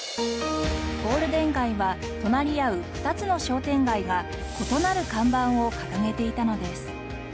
ゴールデン街は隣り合う２つの商店街が異なる看板を掲げていたのです。